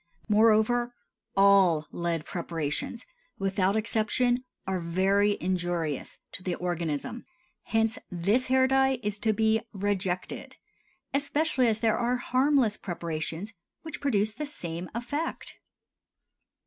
Moreover, all lead preparations without exception are very injurious to the organism; hence this hair dye is to be rejected, especially as there are harmless preparations which produce the same effect.